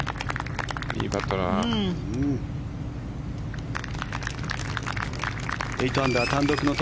いいパットだな。